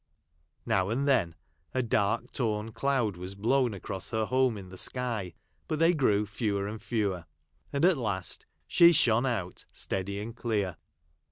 Now and then, a dark torn cloud was blown across her home in the sky, but they grew fewer and fewer, and at last she shone out steady and clear.